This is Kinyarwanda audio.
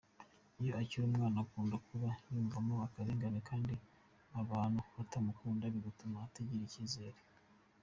Iyo akiri umwana, akunda kuba yiyumvamo ko arengana kandi abantu batamukunda bigatuma atigirira icyizere.